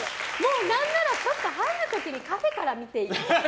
何なら、ちょっと入る時にカフェから見ていく。